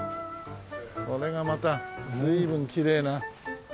これがまた随分きれいな。